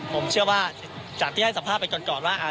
ผมเชื่อว่าจากที่ให้สัมภาษณ์ไปก่อนว่า